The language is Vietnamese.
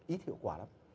ít hiệu quả lắm